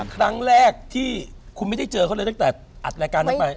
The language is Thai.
ครั้งแรกที่คุณไม่ได้เจอเขาเลยตั้งแต่อัดรายการนั้นไป